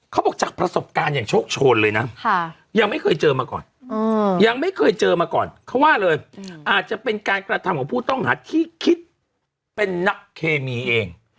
เขาบอกจากประสบการณ์อย่างโชคโชนเลยนะยังไม่เคยเจอมาก่อนยังไม่เคยเจอมาก่อนเขาว่าเลยอาจจะเป็นการกระทำของผู้ต้องหาที่คิดเป็นนักเคมีเอง